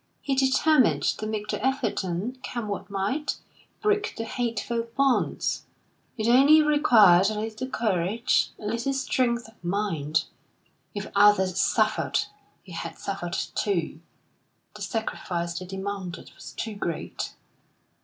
He determined to make the effort and, come what might, break the hateful bonds. It only required a little courage, a little strength of mind. If others suffered, he had suffered too. The sacrifice they demanded was too great....